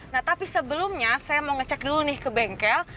nah tapi sebelumnya saya mau ngecek dulu nih ke bengkel